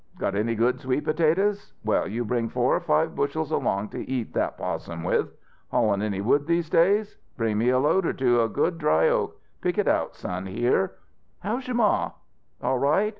Got any good sweet potatoes? Well, you bring four or five bushels along to eat that 'possum with. Haulin' any wood these days? Bring me a load or two of good, dry oak pick it out, son, hear? How's your ma? All right?